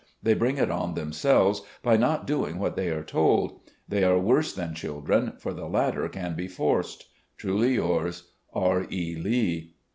They bring it on themselves by not doing what they are told. They are worse than (^dren, for the latter can be forced. ... "Truly yours, "R. E. Lee."